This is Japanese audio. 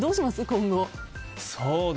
今後。